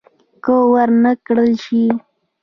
که ور نه کړل شي.